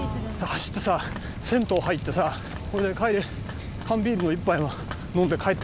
走ってさ銭湯入ってさそれで帰り缶ビールの１杯飲んで帰ってみりゃさ。